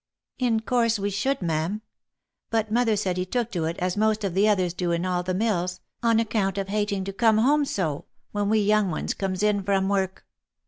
" In course we should, ma'am. But mother said he took to it, as most of the others do in all the mills, on account of hating to come home so, when we young ones comes in from work.